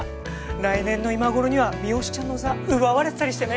来年の今頃には三好ちゃんの座奪われてたりしてね。